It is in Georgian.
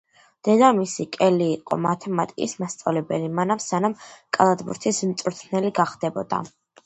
დედამისი, კელი, იყო მათემატიკის მასწავლებელი მანამ, სანამ კალათბურთის მწვრთნელი გახდებოდა.